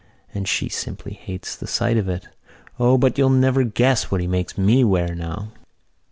And she simply hates the sight of it!... O, but you'll never guess what he makes me wear now!"